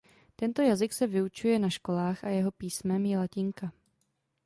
Tento jazyk se vyučuje na školách a jeho písmem je latinka.